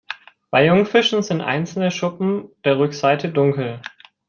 Bei Jungfischen sind einzelne Schuppen der Rückenseite dunkel.